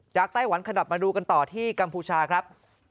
ไต้หวันขยับมาดูกันต่อที่กัมพูชาครับ